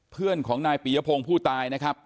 เพื่อนของนายปียพงศ์ผู้ตายนะครับ